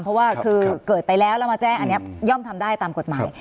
เพราะว่าคือเกิดไปแล้วแล้วมาแจ้งอันนี้ย่อมทำได้ตามกฎหมาย